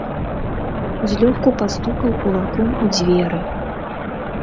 Злёгку пастукаў кулаком у дзверы.